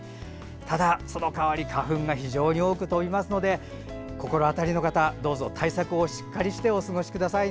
ただそのかわり花粉が非常に多く飛びますので心当たりの方、どうぞ対策をしっかりしてお過ごしください。